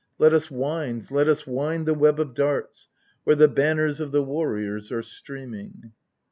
Let us wind, let us wind the web of darts where the banners of the warriors are streaming